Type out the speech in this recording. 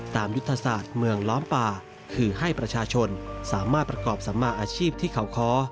ยุทธศาสตร์เมืองล้อมป่าคือให้ประชาชนสามารถประกอบสัมมาอาชีพที่เขาค้อ